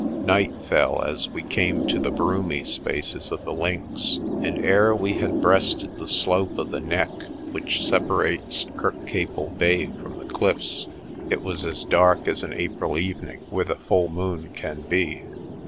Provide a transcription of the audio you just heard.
Night fell as we came to the broomy spaces of the links, and ere we had breasted the slope of the neck which sepa rates Kirkcaple Bay from the cliffs it was as dark as an April evening with a full moon can be.